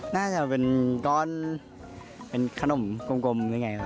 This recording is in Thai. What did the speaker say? น่าจะเป็นกร้อนเป็นขนมกลมยังไงก็ค่ะ